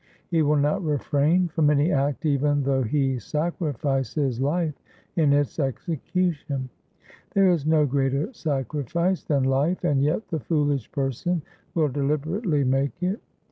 He will not refrain from any act even though he sacrifice his life in its execution. There is no greater sacrifice than life, and yet the foolish person will deliberately make it.